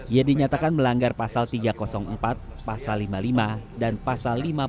ia dinyatakan melanggar pasal tiga ratus empat pasal lima puluh lima dan pasal lima puluh